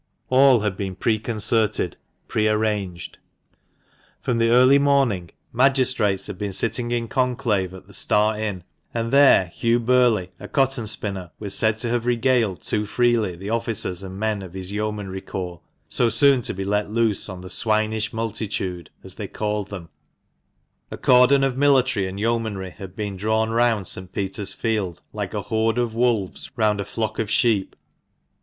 All had been preconcerted, pre arranged. From the early morning, magistrates had been sitting in conclave at the "Star Inn," and there Hugh Birley, a cotton spinner, was said to have regaled too freely the officers and men of his yeomanry corps, so soon to be let loose on the "swinish multitude," as they called them. 17^ THE MANCHESTER MAN. A cordon of military and yeomanry had been drawn round St. Peter's Field, like a horde of wolves round a flock of sheep.